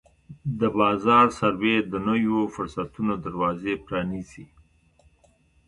د بازار سروې د نویو فرصتونو دروازې پرانیزي.